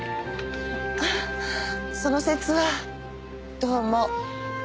その節はどうも。